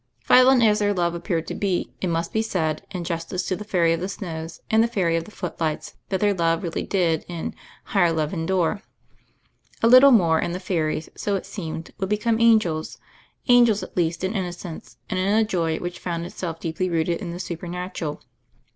Violent as their love appeared to be, it must be said, in justice to the Fairy of the Snows and the Fairy of the Footlights, that their love really did in "higher love endure/' A little more, and the fairies, so it seemed, would THE FAIRY OF THE SNOWS 147 become angels — angels, at least, in innocence and in a joy which found itself deeply rooted in the supernatural.